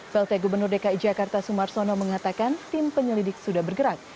plt gubernur dki jakarta sumarsono mengatakan tim penyelidik sudah bergerak